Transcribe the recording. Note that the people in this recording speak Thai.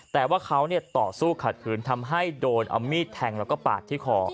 แต่ว่าเขาต่อสู้ขัดขืนทำให้โดนเอามีดแทงแล้วก็ปาดที่คอ